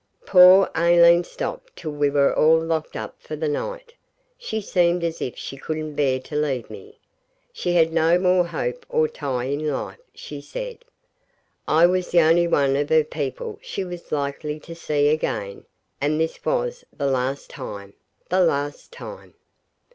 Poor Aileen stopped till we were all locked up for the night. She seemed as if she couldn't bear to leave me. She had no more hope or tie in life, she said. I was the only one of her people she was likely to see again, and this was the last time the last time.